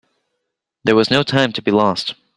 There was no time to be lost.